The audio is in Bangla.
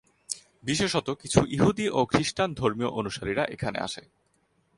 বিশেষত কিছু ইহুদী ও খ্রিস্টান ধর্মীয় অনুসারীরা এখানে আসে।